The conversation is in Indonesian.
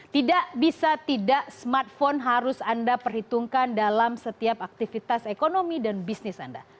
tidak bisa tidak smartphone harus anda perhitungkan dalam setiap aktivitas ekonomi dan bisnis anda